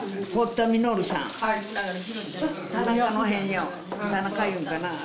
田中いうんかなあ